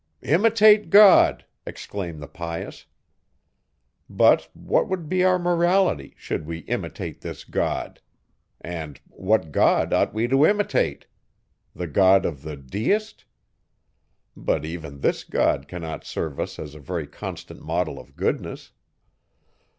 "Imitate God," exclaim the pious. But, what would be our Morality, should we imitate this God! and what God ought we to imitate? The God of the Deist? But even this God cannot serve us as a very constant model of goodness.